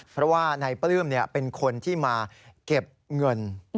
เพราะว่านายปลื้มเป็นคนที่มาเก็บเงิน